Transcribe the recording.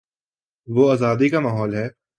وہ آزادی کا ماحول ہے۔